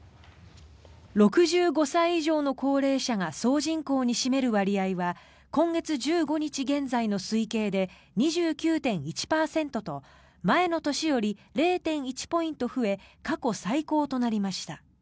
６５歳以上の高齢者が総人口に占める割合は今月１５日現在の推計で２９．１％と前の年より０．１ポイント増え過去最高となりました。